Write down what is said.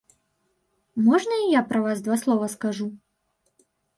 Можна і я пра вас два слова скажу?